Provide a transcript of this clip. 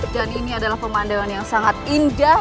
dan ini adalah pemandaian yang sangat indah